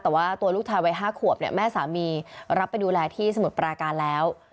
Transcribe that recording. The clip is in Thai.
แต่ว่าตัวลูกชายวัย๕ขวบเนี่ยแม่สามีรับไปดูแลที่สมุทรปราการแล้ว